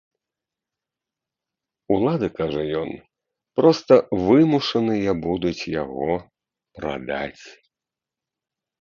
Улады, кажа ён, проста вымушаныя будуць яго прадаць.